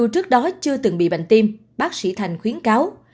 trước đó chưa từng bị bệnh tim bác sĩ thành khuyến cáo